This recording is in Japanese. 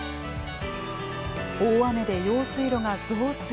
大雨で用水路が増水。